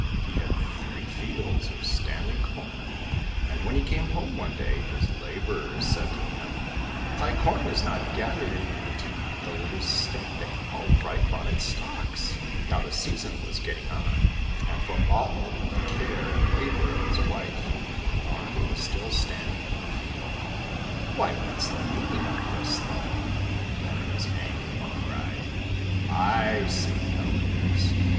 He had three fields of standing corn, and when he came home one day his labourers said to him, " Thy corn is not gathered in yet, though it is standing all ripe on its stalks.'* 1 06 THE SERPENT WIFE Now the season was getting on, and for all the care and labour of his wife, the corn was still standing in the field. " Why, what's the meaning of this ?" thought he. Then in his anger he cried, " I see how it is.